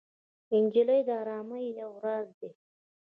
نجلۍ د ارامۍ یو راز دی.